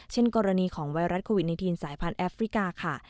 เช่นกรณีของไวรัสโควิดในทีนสายพันธุ์แอฟริกาค่ะ